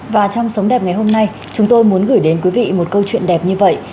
và trong sống đẹp ngày hôm nay chúng tôi muốn gửi đến quý vị một câu chuyện đẹp như vậy